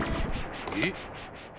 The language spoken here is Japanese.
えっ！